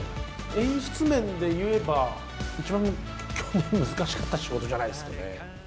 演出面で言えば、一番難しかった仕事じゃないですかね。